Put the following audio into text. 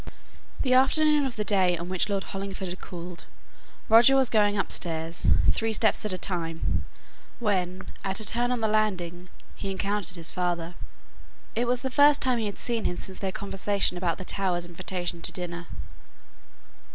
The afternoon of the day on which Lord Hollingford called Roger was going upstairs, three steps at a time, when, at a turn on the landing, he encountered his father. It was the first time he had seen him since their conversation about the Towers' invitation to dinner.